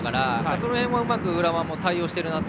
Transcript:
その辺をうまく浦和も対応しているなと。